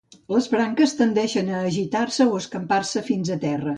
Les branques tendeixen a agitar-se o escampar-se fins a terra.